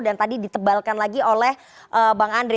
dan tadi ditebalkan lagi oleh bang andre